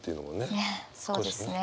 ねっそうですね。